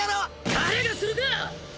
誰がするか！！